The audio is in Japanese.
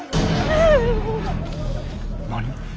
何？